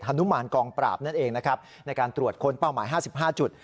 นุมานกองปราบนั่นเองนะครับในการตรวจค้นเป้าหมาย๕๕จุด